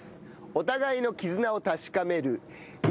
お互いの絆を確かめる。